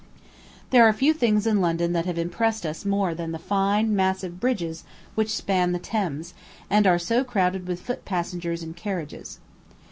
There are few things in London that have impressed us more than the fine, massive bridges which span the Thames, and are so crowded with foot passengers and carriages.